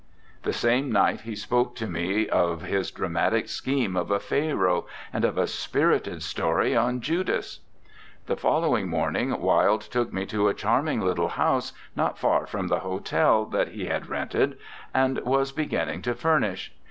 The same night he spoke to me of his dramatic scheme of a Pharaoh, and of a spirited story on Judas. The following morning Wilde took me to a charming little house, not far from the hotel, that he had rented, and was beginning to furnish.